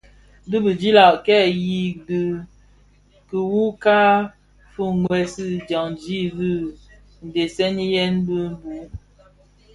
Di bidilag kè yui di kimü ka fuwèsi dyaňdi i ndegsiyèn bi bug.